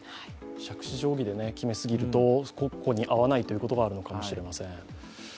杓子定規で決めすぎると個々に合わないという可能性があるかもしれません。